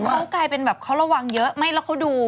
เขากลายเป็นแบบเขาระวังเยอะไม่แล้วเขาดู